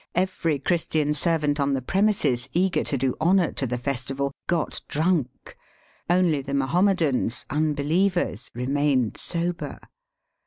Every Christian servant on the premises, eager to do honour to the festival, got drunk; only the Mahomedans, ^unbelievers, remained sober.